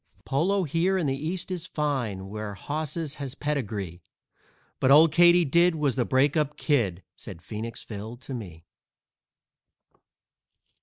_"Polo here in the East is fine, where hosses has pedigree, But Old Katydid was the break up Kid," said Phoenix Phil to me.